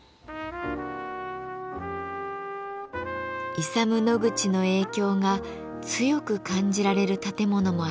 イサム・ノグチの影響が強く感じられる建物もあります。